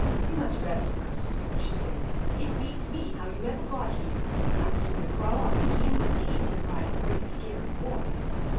"You must rest first," she said. "It beats me how you ever got here. I'd sooner crawl on me hands and knees than ride a great, scary horse."